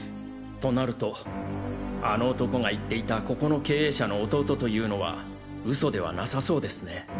となるとあの男が言っていたここの経営者の弟というのはウソではなさそうですね。